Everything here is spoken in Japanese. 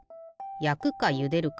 やくかゆでるか？